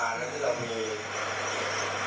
มาใช้ให้เกิดผุดสน